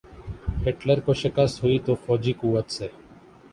Hitler کو شکست ہوئی تو فوجی قوت سے۔